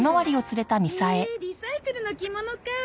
へえリサイクルの着物かあ。